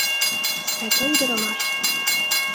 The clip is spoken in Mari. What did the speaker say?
Святой ӱдырамаш